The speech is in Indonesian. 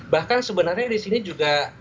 bahkan sebenarnya disini juga